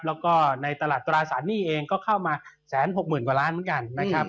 แล้วก็ในตลาดตราสารหนี้เองก็เข้ามา๑๖๐๐๐กว่าล้านเหมือนกันนะครับ